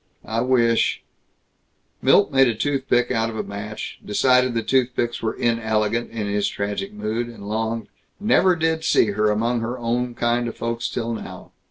I wish " Milt made a toothpick out of a match, decided that toothpicks were inelegant in his tragic mood, and longed: "Never did see her among her own kind of folks till now.